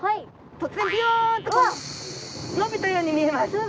突然びょんとこう伸びたように見えます。